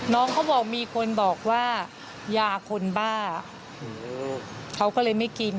น้องเขาบอกมีคนบอกว่ายาคนบ้าเขาก็เลยไม่กิน